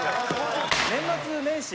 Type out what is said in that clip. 年末年始